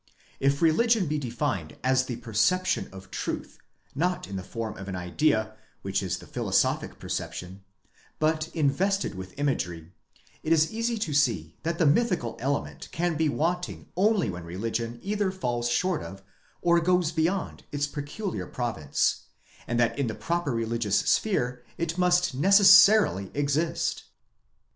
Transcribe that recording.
If religion be defined as the perception of truth, not in the form of an idea, which is the philosophic perception, but invested with imagery; it is easy to see that the mythical element can be wanting only when religion either falls short of, or goes beyond, its peculiar province, and that in the proper religious sphere it must necessarily exist.